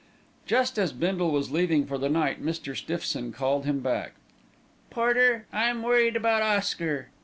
Just as Bindle was leaving him for the night, Mr. Stiffson called him back. "Porter, I'm worried about Oscar."